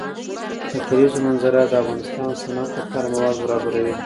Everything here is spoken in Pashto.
د کلیزو منظره د افغانستان د صنعت لپاره مواد برابروي.